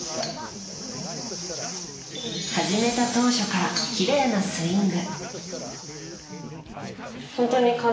始めた当初からきれいなスイング。